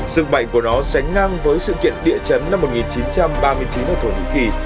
rừng bậy của nó sánh ngang với sự kiện địa chấn năm một nghìn chín trăm ba mươi chín ở thổ nhĩ kỳ